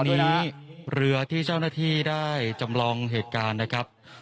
วันนี้เรือที่เจ้าหน้าที่ได้จำลองเหตุการณ์นะครับ